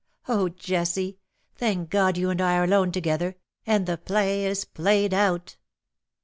Oh, Jessie, thank God you and I are alone together, and the play is played out.